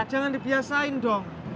jangan dibiasain dong